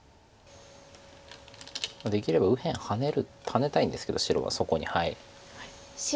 できれば右辺ハネたいんですけど白はそこにはい。